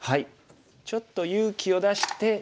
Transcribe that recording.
ちょっと勇気を出して二段バネ。